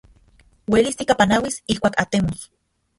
Uelis tikapanauis ijkuak atemos.